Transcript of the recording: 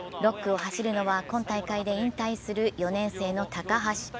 ６区を走るのは今大会で引退する４年生の高橋。